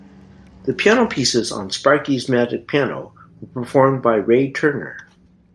The piano pieces on "Sparky's Magic Piano" were performed by Ray Turner.